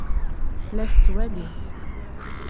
La t-ttwaliɣ.